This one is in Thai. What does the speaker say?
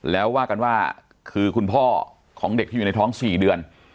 แล้วว่ากันว่าคือคุณพ่อของเด็กที่อยู่ในท้อง๔เดือน